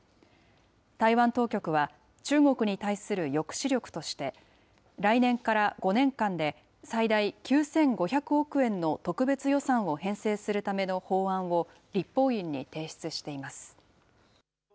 台湾当局は、中国に対する抑止力として、来年から５年間で最大９５００億円の特別予算を編成するための法案を立法院に提出しています。